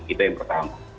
itu yang pertama